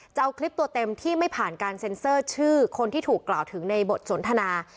จะเอาคลิปตัวเต็มที่ไม่ผ่านการเซ็นเซอร์ชื่อคนที่ถูกกล่าวถึงในบทสนทนา